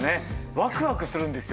ワクワクするんですよね。